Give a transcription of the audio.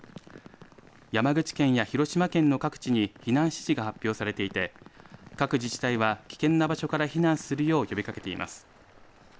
山口県や広島県の各地に避難指示が発表されていて各自治体は危険な場所から避難するよう呼びかけています。